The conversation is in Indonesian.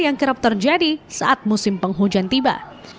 yang kerap terjadi saat musim penghujan tiba